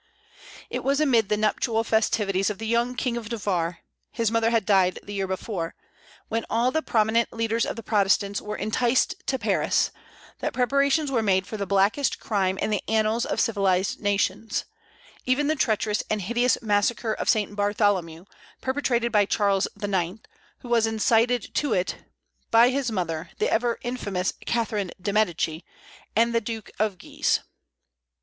It was amid the nuptial festivities of the young King of Navarre, his mother had died the year before, when all the prominent leaders of the Protestants were enticed to Paris, that preparations were made for the blackest crime in the annals of civilized nations, even the treacherous and hideous massacre of St. Bartholomew, perpetrated by Charles IX., who was incited to it by his mother, the ever infamous Catherine de Médicis, and the Duke of Guise.